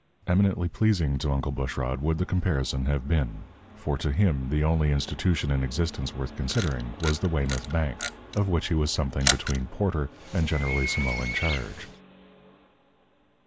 Eminently pleasing to Uncle Bushrod would the comparison have been; for to him the only institution in existence worth considering was the Weymouth Bank, of which he was something between porter and generalissimo in charge.